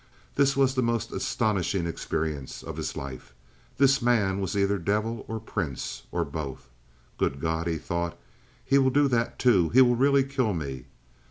This was the most astonishing experience of his life. This man was either devil or prince, or both. "Good God!" he thought. "He will do that, too. He will really kill me."